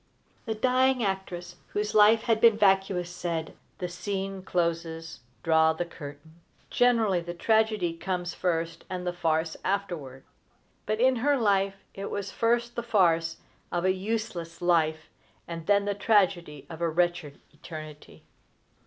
The dying actress whose life had been vicious said: "The scene closes. Draw the curtain." Generally the tragedy comes first, and the farce afterward; but in her life it was first the farce of a useless life, and then the tragedy of a wretched eternity.